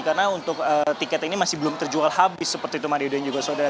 karena untuk tiket ini masih belum terjual habis seperti itu mario dan juga saudara